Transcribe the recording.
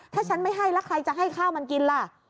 ถ้าฉันไม่ให้แล้วใครจะให้ข้าวมันกินล่ะ